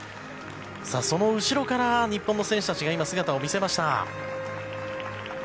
その後ろから日本の選手たちが姿を見せました。